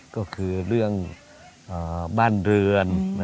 ก็คือเรื่องบ้านเรือน